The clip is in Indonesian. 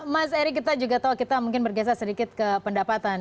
mas eri kita juga tahu kita mungkin bergeser sedikit ke pendapatan